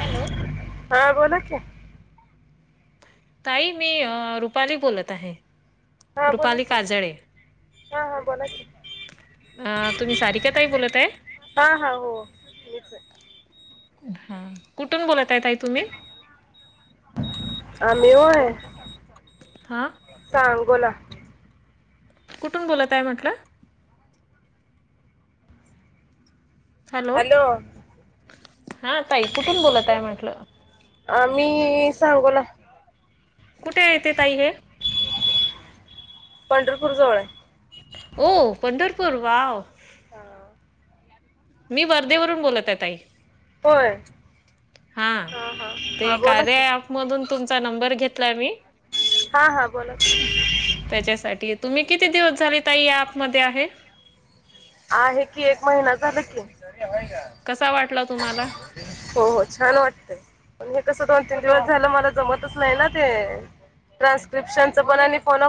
Hello हा बोला की. ताई मी रुपाली बोलत आहे. हा बोला रुपाली की काजळे. हा हा बोला की. अ तुम्ही सारिका ताई बोलत आहे. हा हा हो मीच आहे. हा कुठून बोलत आहे ताई तुम्ही आम्ही व्हय हा सांगोला. कुठून बोलत आहे म्हटलं. हॅलो हा ताई कुठून बोलत आहे म्हटलं. मी सांगोला. कुठे येते ताई हे. पंढरपूर जवळ आहे. हो पंढरपूर वाव. हा. मी वर्धेवरून बोलत आहे ताई. होय हा हा ते हा बोला की कार्या अँप मधून तुमचा नंबर घेतला. मी हा हा बोला की त्याच्यासाठी तुम्ही किती दिवस झाली ताई ह्या ॲप मध्ये आहे. आहे कि एक महिना झाला की. कसा वाटला तुम्हाला हो हो छान वाटतय. कसं दोन तीन दिवस झालं मला जमतच नाही ना ते. ट्रान्स्क्रिप्शनच पण, आणि फोन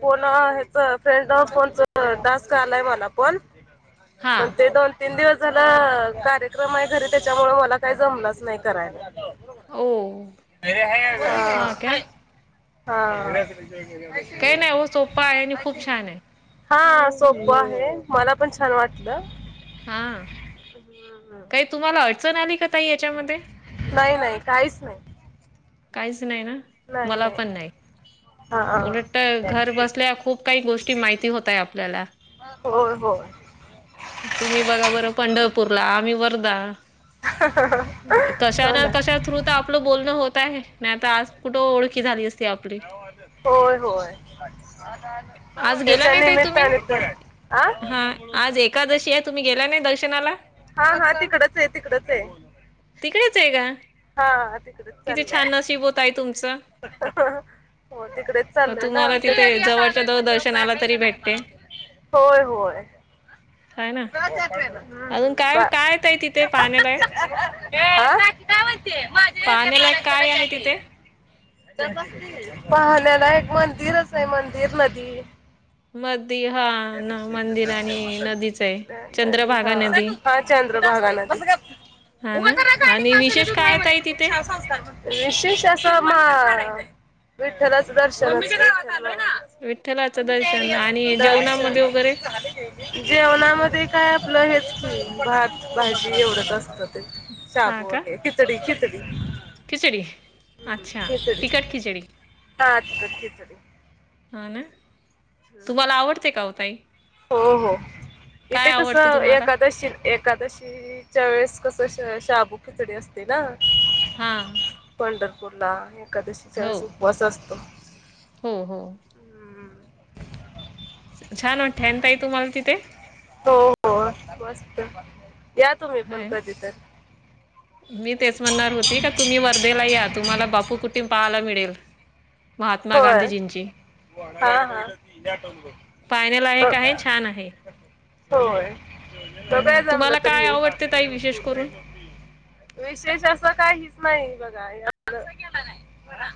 फोन हेच फ्रेंड ऑफ फोनचा टास्क आलाय. बोला पण हा पण ते दोन तीन दिवस झाल कार्यक्रम आहे घरी. त्याच्यामुळ मला काही जमलंच नाही करायला. ओ हा क्या हा हा काही नाही सोपा आहे आणि खूप छान आहे [inaudible] हा सोपं आहे मला पण छान वाटलं. हा हम्म, हम्म. काही तुम्हाला अडचण आली का ताई याच्यामध्ये नाही नाही काहीच नाही काहीच नाही ना मला पण नाही. हा उलट हा. घर बसल्या खूप काही गोष्टी माहिती होतय आपल्याला, होय होय तुम्ही बघा बरं पंढरपूरला आम्ही व- र्धा कशा ना कशा थ्रु तर आपलं बोलणं हो त आहे. नाही तर आज कुठं ओळखी झाली असती आपली. होय होय आज गेला त्याच्या नाही ताई तुम्ही? निमित्ताने आ हा आज एकादशी आहे तुम्ही गेला नाही दर्शनाला? हा हा तिकडच आहे, तिकडच आहे. तिकडेच आहे का. हा तिकडच किती चाललंय छान नशीब ओ ताई तुमचं हो तिकडेच चाललोय ना तुम्हाला तिच्या तिथे एरियात जवळच्या आलोय जवळ म्हणल्यावर काय दर्शनाला आहे तरी का नाही भेटते. मला होय होय, हाय ना? बर अजून काय काय ताई तिथे पाहण्यालायक आ ते माझ्या एरियात पाहण्यालायक आलाय चला काय चहा आहे तिथे? प्यायला. पाहण्याला एक मंदिरच आहे मंदिर नदी [inaudible] मधी हा मंदिर आणि नदीच आहे. अ हा चंद्रभागा नदी. हा चंद्रभागा नदी, हा ना आणि विशेष काय आहे ताई तिथे? [unintelligible] विशेष असं मग विठ्ठलाचं दर्शनच. विठ्ठलाचं दर्शन आणि दर्शन जेवणामध्ये वगैरे जेवणामध्ये काय आपलं हेच भात, भाजी एवढच असतं. हा साबू का वगैरे खिचडी खिचडी हम्म, अच्छा खिचडी तिखट खिचडी [unintelligible] हा ना हम्म. तुम्हाला आवडते का ओ ताई? हो हो काय इथे कस आवडते तुम्हाला? एकादशी एकादशीच्या वेळेस, कस शाबू खिचडी असते ना, हा कुर्ला एकादशीच्या हो वेळेस उपवास असतो. हो हो, हम्म. छान वाटतंय ना ताई तुम्हाला तिथे, हो हो मस्त या तुम्ही पण हाय ना कधी तर मी तेच म्हणणार होती का तुम्ही वर्धेला या तुम्हाला बापू कुटीम पाहायला मिळेल. महात्मा होय गांधीजींची. हा हा. पाहण्यालायक आहे छान आहे होय. हं बघूया तुम्हाला जमलं तर काय येऊ. आवडते ताई विशेष करून विशेष असं काहीच नाही बघा या आपलं.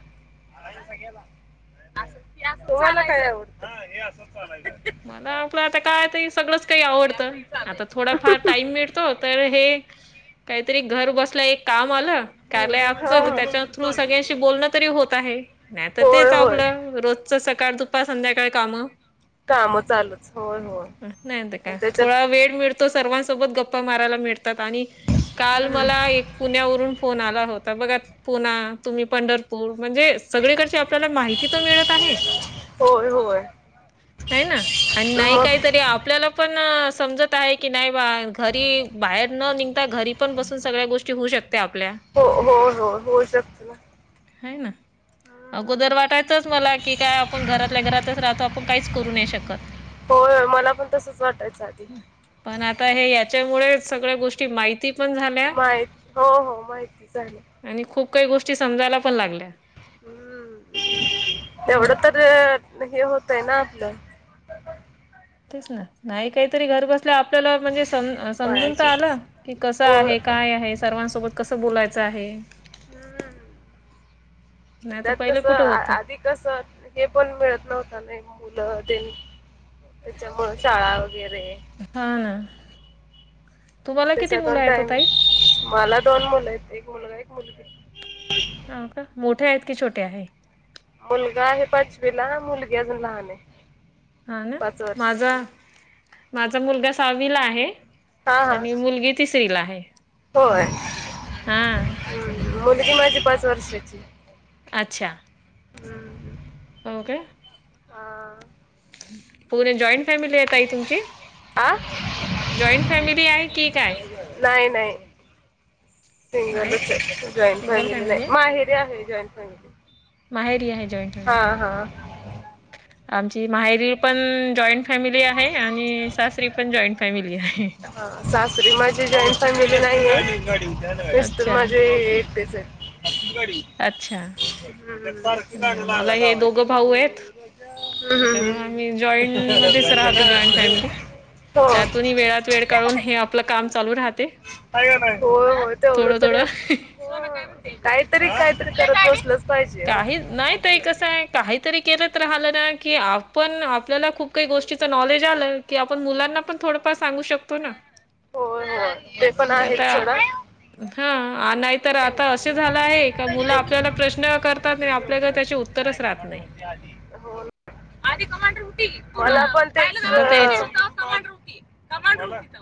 तुम्हांला काय आवडत मला आपल आता काय सगळच काही आवडत आता काहीतरी घर बसल्या एक काम आल. कार्या अँप च, हो. त्याच्या थ्रू सगळ्यांशी बोलण तरी होत आहे, नाही तर होय तेच होय आपल रोजच सका ळ दुपार संध्याकाळ काम. काम चालूच होय होय नाही तर आणि काय त्याच्यात थोडा वेळ मिळतो सर्वांसोबत गप मारायला मिळतात आणि काल हम्म, मला एक पुण्यावरून फोन आला. होता बघा पुना तुम्ही पंढरपूर म्हणजे सगळीकडची आपल्याला माहिती तर मिळत आहे. होय होय आहे ना आणि नाही मग काहीतरी आपल्याला पण समजत आहे की नाही बा घरी बाहेर न निघता घरी पण बसून सगळ्या गोष्टी होऊ शक हो हो हो होऊ शकत ना. हय ना हम्म. अगोदर वाटायचच मला की काय आपण घरातल्या घरातच राहतो आपण काहीच करू नाही शकत होय होय मला पण तसंच वाटायचं आधी पण आता हे याच्यामुळेच सगळ्या गोष्टी माहिती पण झाल्या माहित हो हो माहिती झाल्या आणि खूप काही गोष्टी समायला पण लागल्या. हम्म हे ना एवढ तर हे होतय ना आपल. तेच ना नाही काहीतरी घर बस आपल्याला म्हणजे समजून तर पायाचे आला की कस हो आहे काय आहे सर्वांसोबत कस बोलाय च आहे. हम्म हम् नाही तर त्यात पहिलं कस कुठं होतं आधी कस हे पण मिळत नव्हत, नाही मुल ते त्याच्यामु शाळा वगेरे. हा ना तुम्हाला किती त्याचा मुलं दोन आहेत ओ टाईम, ताई मला दोन मुल आहेत एक मुलगा एक मुलगी. हा का मोठ्या आहे की छोटे आहे? मुलगा आहे पाचवीला, मुलगी अजून लहान ये. हा ना, माझा- माझा मुलगा सावीला आहे. हा हा आणि मुलगी तिसरी ला आहे. होय हा. हम्म. मुलगी माझी पाच वर्षाची. अच्छा. हम्म हम. ओ के हा. पुणे जॉईंट फॅमिली ये ताई तुमची? आ जॉइंट फॅमिली आहे की काय? नाही नाही, नाही सिंगलच ये, जॉईंट सिंगल फॅमिली नायी, आहे माहेरी आहे. Join family. माहेरी आहे जॉइन हा फॅमिली, हा आमची माहेरी पण जॉईंट फॅमिली आहे, आणि सासरी पण जॉईंट फॅमिली आहे. हा सासरी माझी जॉईन फॅमिली नायी ये स् तर अच्छा माझे एकटेच ये घरी. आणि मला हे दोघ भाऊ येत. हम्म, त्याच्यामुळे आम्ही जॉईंट मध्येच राहतो, जॉईंट फॅमिली. त्यातूनही वेळात वेळ काढून हे आपल काम चालू राहतेय. होय, हो तेवढं तरी काहीतरी काहीतरी करत. बसलंच पाहिजे हो काही नायी ताई कस आहे काहीतरी केलत राहिल ना की आपण आपल्याला खूप काही गोष्टीच नॉलेज आल कि आपण मुलांना पण थोडंफार सांगू शकतो ना. होय होय ते पण आहे सोडा हा नाही तर आता असे झालं आहे का मुलं आपल्याला प्रश्न प्रश्न करतात आणि आपल्याकड त्याचे उत्तरच राहत नाही. हो ना. आधी कमांडर उटी [inaudible] ह ना आता तेच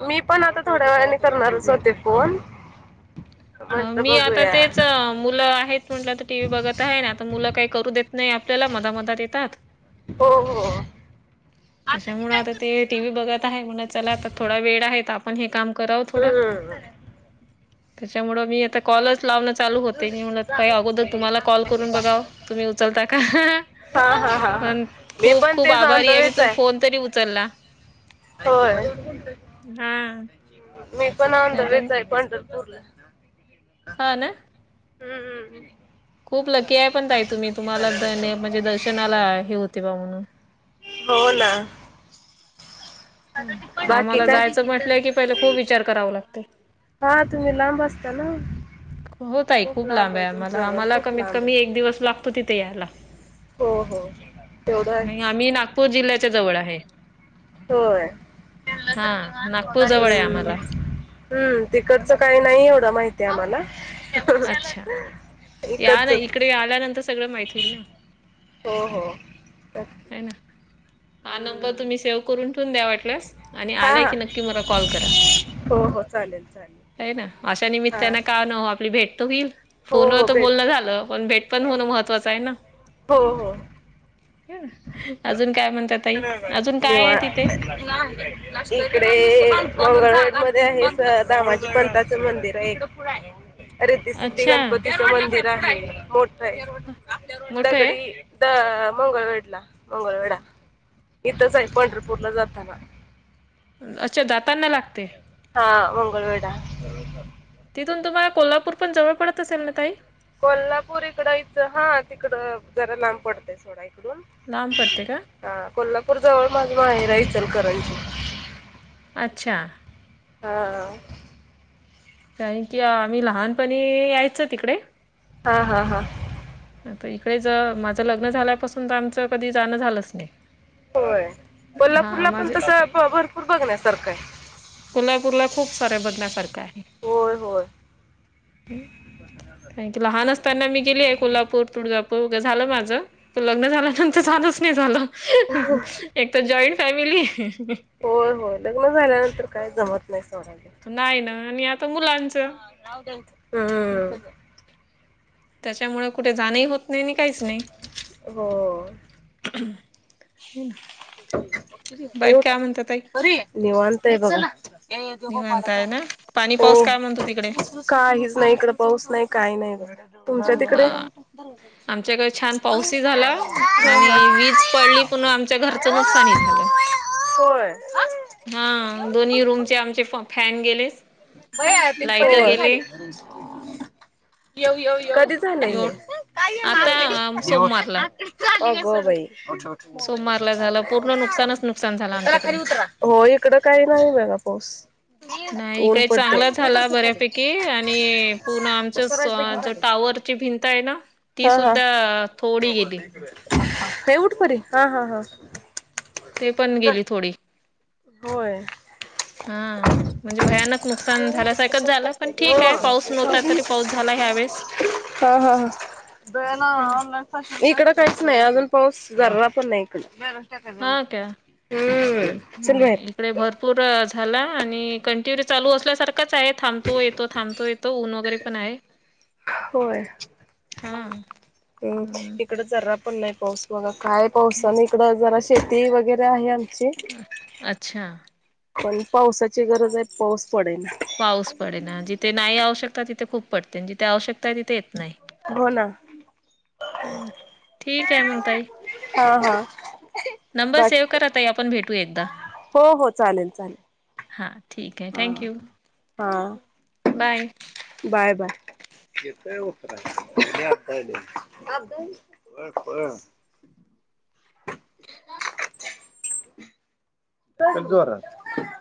मी पण आता थोड्या वेळाने करणारच होते. फोन म्हटलं मी आता बघूया तेच मुलं आहेत म्हटलं तर टी. व्ही बघत आहे न आता मुलं काही करू देत नाही. आपल्याला मध मधात येतात. हो हो ती त्याच्यामुळे काय आता करतात ते टी. व्ही बघत ना आहे माणलं चला आता थोडा वेळ आहे आपण हे काम करावं हम हम. त्यामुळं मी आता कॉलच लावणं चालू होते. मी घरची म्हणल, ताई जागा अगोदर घेतली आहे तुम्हाला बा. कॉल हे करून बा. बघाव तुम्ही उचलता का? हा हा हा हा. पण मी खूप पण खूप तेच ऑन द आभारी आहे. मी वेच तुम्ही फोन तरी उचलला. होय, हा मी पण नाही तर आंधळीच आहे पंढर [unintelligible] हा ना. हम हम. खूप लकी आहे पण ताई तुम्ही तुम्हाला ते म्हणजे दर्शनाला हे होते बा म्हणून. हो ना. आता ती पण बाकी आम्हाला काय? पूर्ण जायचं म्हटलं की पहिले खूप झाली. विचार कराव लागतय. हा तुम्ही लांब असता ना. हो ताई खूप लांब आहे. आम्हाला तुमचं घर आम्हाला खूप कमीत लांब आहे कमी एक दिवस लागतो तिथे यायला. हो हो तेवढंच आम्ही नागपूर जिल्ह्याच्या जवळ आहे. होय फिरलं हा तर नागपूर जवळ आहे. आम्हाला हम तिकडचं काही नाही एवढं माहिती आम्हाला. अच्छा या ना इकडे इकडचंच आल्यानंतर सगळं माहित होईल ना. आहे ना [unintelligible] हा नंबर हम्म तुम्ही सेव्ह करून ठेवून द्या वाटल्यास आणि हा आला हा की नक्की मला कॉल करा. हो हो चालेल. चालेल हाय ना अशा हा निमित्तानें काना ओ आपली भेट तर होईल. हो फोनवर हो तर भेट बोलण झालं पण भेट पण होणं महत्वाचं आहे ना. हो हो [inaudible] [unintelligible] म्हणता ताई अजून काय आहे तिथे? मध्ये आहे दामाज पथाचं मंदिर आहे एक. रिती सिद्धी अच्छा गणपतीचं मंदिर आहे, मोठ आहे. मोठं आहे दगडी द मंगळवेढला मंगळवेढा इथंच आहे पंढरपूरला जाताना. अच्छा जातांना लागतंय. हा मंगळवेडा. तिथून तुम्हाला कोल्हापूर पण जवळ पडत असेल ना ताई. कोल्हापूर इकड इथं हा तिकडं जरा लांब पडतेय सोडा. इडून लांब पडते का? हा कोल्हापूर जवळ माझ माहेर आहे इचलकरंजी. अच्छा. हा हा. कारण की आम्ही लहानपणी यायचो तिकडे. हा हा हा. इकडेच माझं लग्न झाल्यापासून त आमचं कधी जाणं झालंच नाही. होय हा कोल्हापूरला पण माझे तसं भरपूर बघण्यासारखं हाय. कोल्हापूरला खूप साऱ्या बघण्यासारखं आहे. होय होय काय लहान असताना मी गेलीय कोल्हापूर, तुळजापूर होऊ दे झालं माझ त लग्न झाल्यानंतर झालच नाही झालं एक तर जॉईन फॅमिली. होय होय लग्न झाल्यानंतर काय जमत नाही सोडायला. नाही ना आणि आता मुलांच हम्म. त्याच्यामुळं कुठे जाणंही होत नाही आणि काहीच नाही. हो हे बाई उठ काय म्हणतात? निवांत हाय बघा. निवांत आहे ना? पाणी हो पाऊस काय म्हणतो तिकडे? काहीच नाही हिकड पाऊस नाही, काही नाही हिकडं. तुमच्या तिकडे? हा. आमच्याकडे छान हो पाऊसही झाला हो च नुकसान ही झालं, हा दोन्ही रूमचे आमचे पं फॅन गेले होय लाइट गेले. कधी झालं एव हे आता सोमवारला आगो बाई सोमवारला झालं पूर्ण नुकसानच नुकसान झालं आमच्याकडे. हो इकडं काय नाही झालं. पाऊस नाही ऊन काय पडते. चांगला उतर झाला तू खाली बऱ्यापैकी आणि पूर्ण आमच स्वराजला घे खाली. टावरची भिंत आहे ना ती हा हा सुद्धा थोडी गेली. हे उठ परी हा हा हा ते पण गेली थोडी होय हा म्हणजे भयानक नुकसान झाल्यासारखच झालं पण ठीक आहे, हा पाऊस नव्हता तरी पाऊस झाला. ह्यावेेळेस हा हा ह इकडं काहीच नाही अजून पाऊस जरा पण नाही इकड हा का हम्म चल बाहेर नाही इकडे भरपूर झाला आणि कंटिन्यू चालू असल्यासारखा च आहे थांबतो-येतो, थांबतो-येतो ऊन वगैरे पण आहे. होय हा इकड जरा पण नाही पाऊस बघा. काय पावसान इकड जरा शेती वगैरे आहे आमची. अच्छा पण पावसाची गरज आहे पाऊस पडेना. पाऊस पडेना जिथे नाही आवश्यकता तिथे खूप पडते, जिथे आवश्यकता आहे तिथे येत नाही. ‌ होना ह ठीक आहे मग ताई हा हा. नंबर सेव्ह बाकी कर ताई आपण भेटू एकदा हो हो चालेल चालेल हा ठीक आहे हा थँक्यू हा बाय. बाय बाय येतय वो येतय आता येतय [unintelligible] बग बस कर जोरात